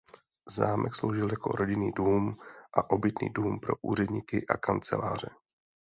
Zámek sloužil jako rodinný dům a obytný dům pro úředníky a kanceláře.